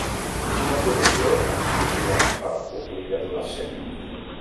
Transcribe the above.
Una producció exclusivament per al públic adolescent.